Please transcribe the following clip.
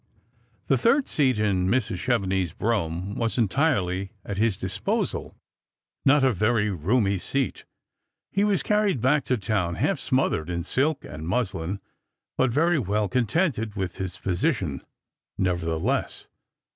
The third seat in Mrs. Chevenix's brougham was entirely at his disposal, not a very roomy seat ; he was carried back to town half smothered in silk and muslin, but very well contented with his position nevertheless.